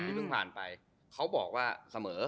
เพิ่งผ่านไปเขาบอกว่าเสมอ